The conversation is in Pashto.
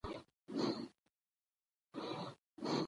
چې ټول کرکټرونه ورپورې تړلي وي